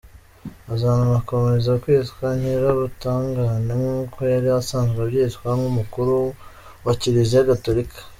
Azananakomeza kwitwa Nyirubutungane nk’uko yari asanzwe abyitwa nk’umukuru wa Kiliziya Gatolika.